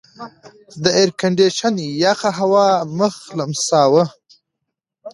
د ایرکنډېشن یخه هوا مخ لمساوه.